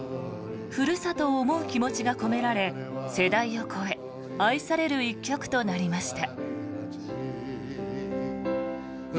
ふるさとを思う気持ちが込められ世代を超え愛される１曲となりました。